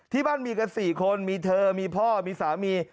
ที่บ้านมีกัน๔คนมีเธอมีพ่อมีสามี